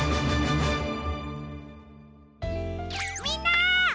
みんな！